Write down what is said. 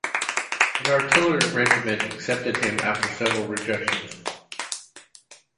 An artillery regiment accepted him after several rejections.